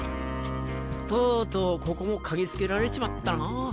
とうとうここも嗅ぎ付けられちまったな。